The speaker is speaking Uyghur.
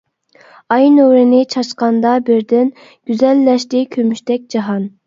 ئاي نۇرىنى چاچقاندا بىردىن، گۈزەللەشتى كۆمۈشتەك جاھان.